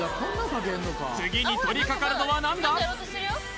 次に取りかかるのは何だ？